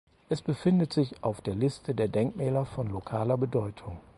Es befindet sich auf der Liste der Denkmäler von lokaler Bedeutung.